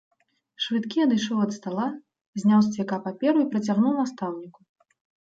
Швыдкі адышоў ад стала, зняў з цвіка паперу і працягнуў настаўніку.